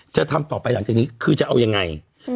จะทำต่อไปหลังจากนี้คือจะเอายังไง